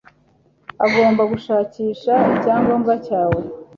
Ugomba gushakisha icyangombwa cyawe.